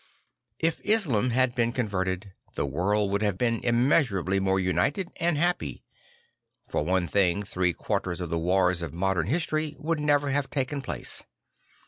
If Islam had been converted, the world would have been immeasur ably more united and happy; for one thing, three quarters of the wars of modem history would never have taken place.